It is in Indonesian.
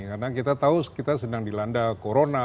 karena kita tahu kita sedang dilanda corona